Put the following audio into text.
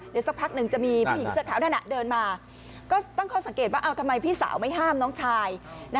เดี๋ยวสักพักหนึ่งจะมีผู้หญิงเสื้อขาวนั่นเดินมาก็ตั้งข้อสังเกตว่าทำไมพี่สาวไม่ห้ามน้องชาย